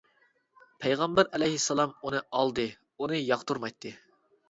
پەيغەمبەر ئەلەيھىسسالام ئۇنى ئالدى، ئۇنى ياقتۇرمايتتى.